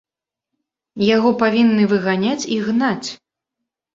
Яго павінны выганяць і гнаць.